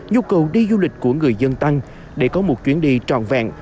nhu cầu đi du lịch của người dân tăng để có một chuyến đi tròn vẹn